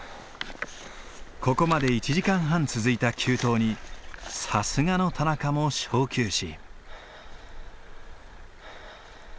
ここまで１時間半続いた急登にさすがの田中も小休止。